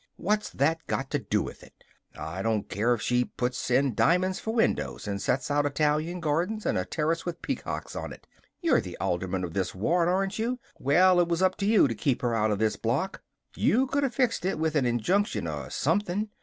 "What's that got to do with it? I don't care if she puts in diamonds for windows and sets out Italian gardens and a terrace with peacocks on it. You're the alderman of this ward, aren't you? Well, it was up to you to keep her out of this block! You could have fixed it with an injunction or something.